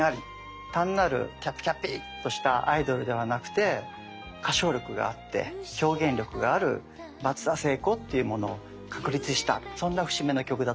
単なるきゃぴきゃぴっとしたアイドルではなくて歌唱力があって表現力がある松田聖子っていうものを確立したそんな節目の曲だと思います。